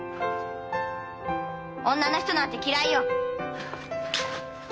女の人なんて嫌いよ！